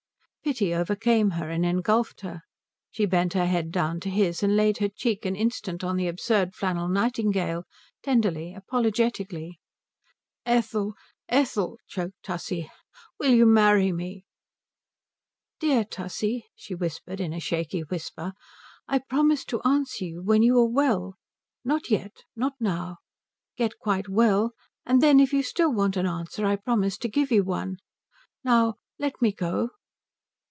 Pity overcame her, engulfed her. She bent her head down to his and laid her cheek an instant on the absurd flannel nightingale, tenderly, apologetically. "Ethel Ethel," choked Tussie, "will you marry me?" "Dear Tussie," she whispered in a shaky whisper, "I promise to answer you when you are well. Not yet. Not now. Get quite well, and then if you still want an answer I promise to give you one. Now let me go."